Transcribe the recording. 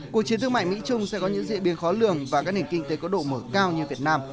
cuộc chiến thương mại mỹ trung sẽ có những diễn biến khó lường và các nền kinh tế có độ mở cao như việt nam